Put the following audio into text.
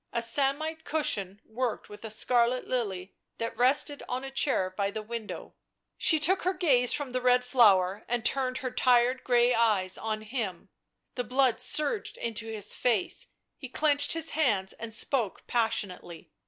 A samite cushion worked with a scarlet lily that rested on a chair by the window. She took her gaze from the red flower and turned her tired grey eyes on him. The blood surged into his face; he clenched his hands and spoke passionately.